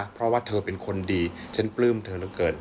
เพราะว่าเธอเป็นคนดีเช่นปลื้มเธอเกิน